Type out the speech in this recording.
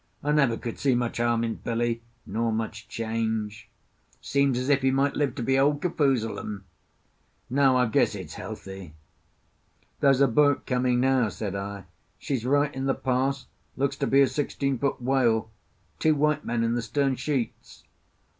I never could see much harm in Billy, nor much change. Seems as if he might live to be Old Kafoozleum. No, I guess it's healthy." "There's a boat coming now," said I. "She's right in the pass; looks to be a sixteen foot whale; two white men in the stern sheets."